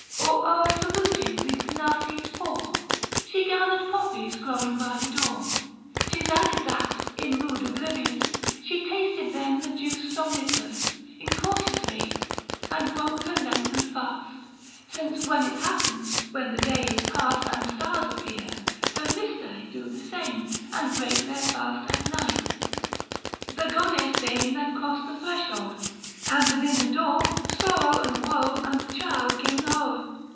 Or e'er saluting the Penates poor, She gathered poppies growing by the door ; 600 'Tis added that, in mood oblivious, She tasted then the juice somniferous Incautiously, and broke her lengthened fast. Since when it happens, when the day is past And stars appear, her Mystse do the same 605 And break their fast at night. The goddess dame Then crossed the threshold ; and within the door Sorrow and woe and the child given o'er.